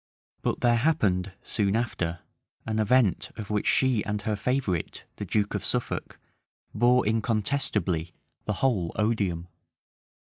But there happened, soon after, an event of which she and her favorite, the duke of Suffolk, bore incontestably the whole odium.